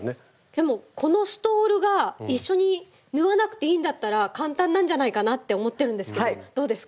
でもこのストールが一緒に縫わなくていいんだったら簡単なんじゃないかなって思ってるんですけどどうですか？